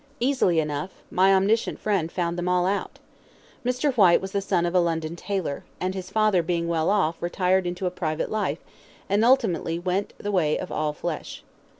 Easily enough; my omniscient friend found them all out. Mr. Oliver Whyte was the son of a London tailor, and his father being well off, retired into a private life, and ultimately went the way of all flesh.